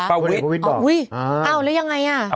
พลเอกประยุทธบอกอุ้ยอ้าวแล้วยังไงอ่ะ